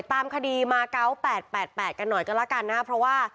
ตามคดีมาเกาะ๘๘กันหน่อยก็แล้วกันนะครับเพราะว่า